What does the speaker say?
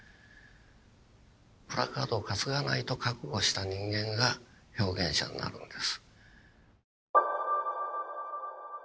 プラカードを担がないと覚悟した人間が表現者になるんです。